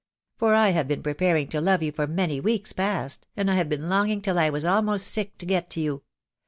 For I have been pie paring to love you for many weeks past, and have been long ing till I was almost sick to get to you.